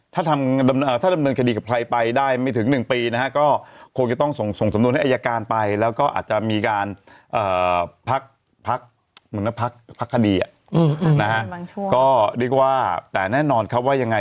เหมือนกับภาคคดีอ่ะนะฮะก็เรียกว่าแต่แน่นอนครับว่ายังไง